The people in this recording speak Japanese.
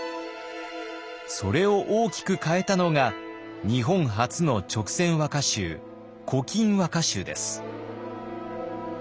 それを大きく変えたのが日本初の勅撰和歌集「古今和歌集」です。